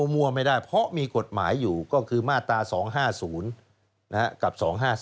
มั่วไม่ได้เพราะมีกฎหมายอยู่ก็คือมาตรา๒๕๐กับ๒๕๔